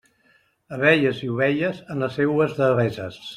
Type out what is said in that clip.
Abelles i ovelles, en les seues deveses.